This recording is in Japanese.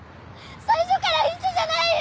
最初から一緒じゃないよ！